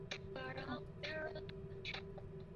龚氏曼盲蝽为盲蝽科曼盲蝽属下的一个种。